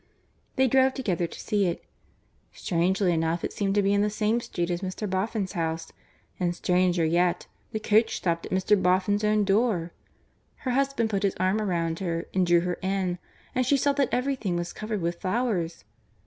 They drove together to see it. Strangely enough it seemed to be in the same street as Mr. Boffin's house, and stranger yet, the coach stopped at Mr. Boffin's own door. Her husband put his arm around her and drew her in, and she saw that everything was covered with flowers.